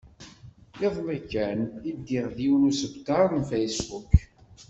Iḍelli kan i ldiɣ yiwen usebter deg Facebook.